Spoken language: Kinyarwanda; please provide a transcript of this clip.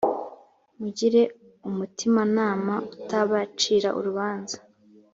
mugire umutimanama utabacira urubanza .